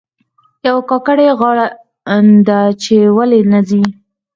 یوه کاکړۍ غاړه ده چې ولې نه راځي.